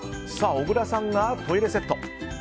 小倉さんが、トイレセット。